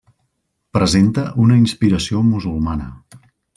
Presenta una inspiració musulmana.